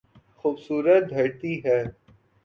خوبصورت دھرتی ہے۔